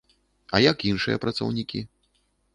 А як іншыя працаўнікі?